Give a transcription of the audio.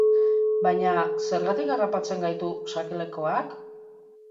Baina, zergatik harrapatzen gaitu sakelakoak?